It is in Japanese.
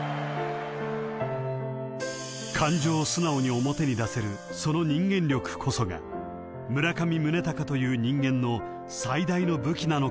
［感情を素直に表に出せるその人間力こそが村上宗隆という人間の最大の武器なのかもしれない］